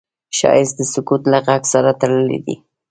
ښایست د سکوت له غږ سره تړلی دی